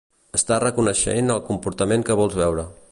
Estàs reconeixent el comportament que vols veure.